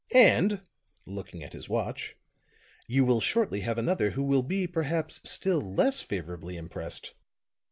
"And," looking at his watch, "you will shortly have another who will be, perhaps, still less favorably impressed."